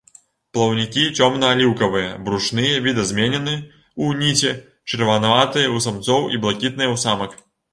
Плаўнікі цёмна-аліўкавыя, брушныя відазменены ў ніці, чырванаватыя ў самцоў і блакітныя ў самак.